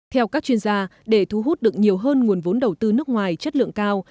theo các chuyên gia để thu hút được nhiều hơn nguồn vốn đầu tư nước ngoài chất lượng cao